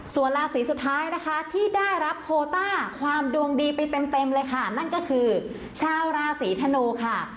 ส่วนราศีสุดท้ายนะคะที่ได้รับโคต้าความดวงดีไปเต็มเลยค่ะนั่นก็คือชาวราศีธนูค่ะ